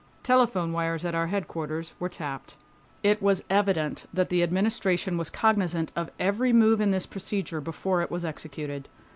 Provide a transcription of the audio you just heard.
Telephone wires at our headquarters were tapped. It was evident that the Administration was cognizant of every move in this procedure before it was executed.